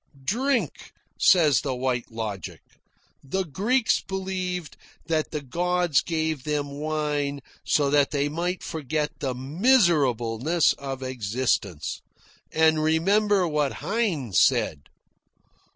"Drink," says the White Logic. "The Greeks believed that the gods gave them wine so that they might forget the miserableness of existence. And remember what Heine said."